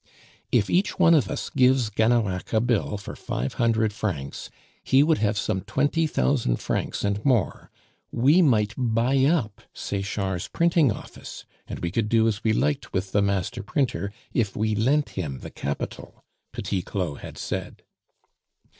"If each one of us gives Gannerac a bill for five hundred francs, he would have some twenty thousand francs and more; we might buy up Sechard's printing office, and we could do as we liked with the master printer if we lent him the capital," Petit Claud had said.